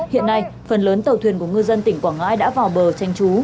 hiện nay phần lớn tàu thuyền của ngư dân tỉnh quảng ngãi đã vào bờ tranh trú